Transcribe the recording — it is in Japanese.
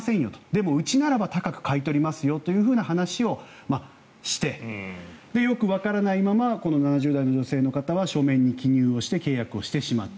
でも、うちならば高く買い取りますよという話をしてよくわからないままこの７０代の女性の方は書面に記入して契約をしてしまった。